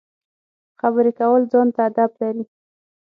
خبرې کول ځان ته اداب لري.